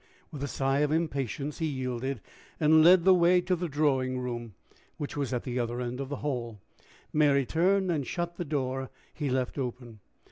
With a sigh of impatience he yielded, and led the way to the drawing room, which was at the other end of the hall. Mary turned and shut the door he left open.